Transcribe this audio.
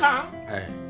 はい。